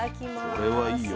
これはいいよ。